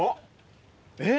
えっ。